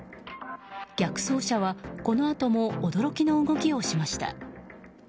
逆走車はこのあとも驚きの動きをしました。